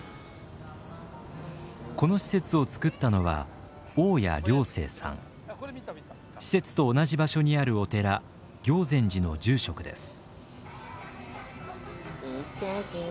この施設をつくったのは施設と同じ場所にあるお寺行善寺の住職です。